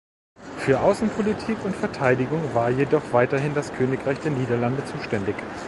Für Außenpolitik und Verteidigung war jedoch weiterhin das Königreich der Niederlande zuständig.